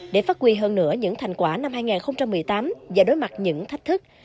để phát huy hơn nữa những thành quả năm hai nghìn một mươi tám và đối mặt những thách thức